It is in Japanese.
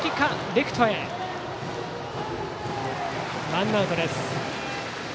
ワンアウトです。